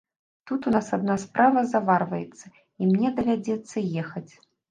Тут у нас адна справа заварваецца, і мне давядзецца ехаць.